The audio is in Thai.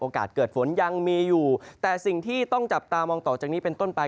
เกิดฝนยังมีอยู่แต่สิ่งที่ต้องจับตามองต่อจากนี้เป็นต้นไป